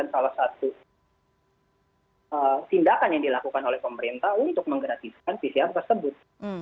untuk menggratiskan pcr tersebut